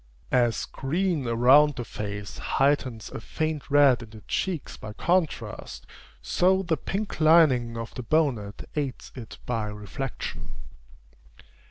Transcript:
As green around the face heightens a faint red in the cheeks by contrast, so the pink lining of the bonnet aids it by reflection.